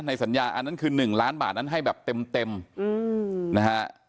สัญญาอันนั้นคือ๑ล้านบาทนั้นให้แบบเต็มนะฮะ